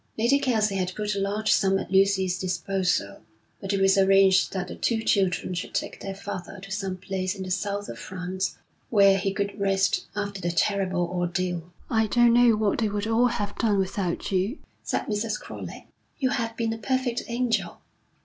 Lady Kelsey had put a large sum at Lucy's disposal, and it was arranged that the two children should take their father to some place in the south of France where he could rest after the terrible ordeal. 'I don't know what they would all have done without you,' said Mrs. Crowley. 'You have been a perfect angel.'